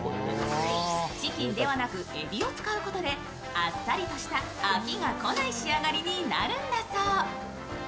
チキンではなくえびを使うことであっさりとした飽きがこない仕上がりになるんだそう。